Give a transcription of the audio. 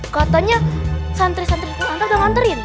katanya santri santri pantai udah nganterin